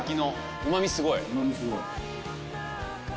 うまみすごい！